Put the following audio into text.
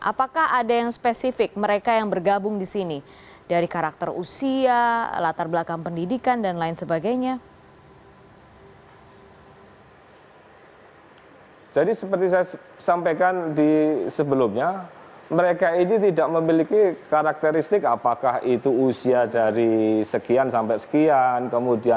adalah ada teman teman yang berkomunikasi telaga dan sosial di jaring ini